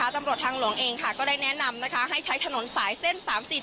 ตำรวจทางหลวงเองก็ได้แนะนำให้ใช้ถนนสายเส้น๓๔๗